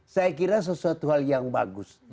saya kira sesuatu hal yang bagus